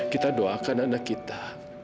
kita doakan anak kita